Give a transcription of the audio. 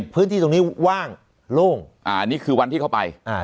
พื้นที่ตรงนี้ว่างโล่งอันนี้คือวันที่เข้าไป